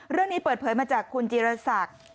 เรื่องนี้เปิดเผยมาจากคุณจีรศักดิ์